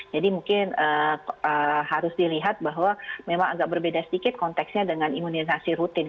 jadi mungkin harus dilihat bahwa memang agak berbeda sedikit konteksnya dengan imunisasi rutin